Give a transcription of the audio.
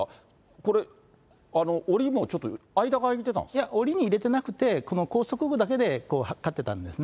これ、おりもちょっと間が開いていや、おりに入れてなくて、この拘束具だけで立ってたんですね。